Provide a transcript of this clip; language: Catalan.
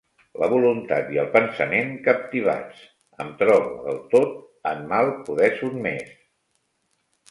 La voluntat i el pensament captivats, em trobe del tot en mal poder sotmès.